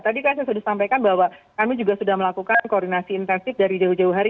tadi kak saya sudah sampaikan bahwa kami juga sudah melakukan koordinasi intensif dari jauh jauh hari